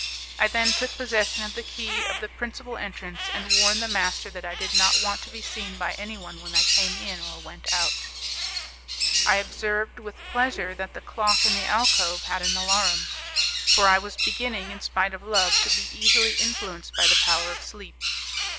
I then took possession of the key of the principal entrance, and warned the master that I did not want to be seen by anyone when I came in or went out. I observed with pleasure that the clock in the alcove had an alarum, for I was beginning, in spite of love, to be easily influenced by the power of sleep.